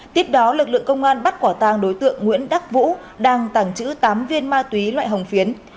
tiếp đó lực lượng công an bắt quả tàng đối tượng nguyễn đắc vũ đang tàng trữ tám viên ma túy loại hồng phiến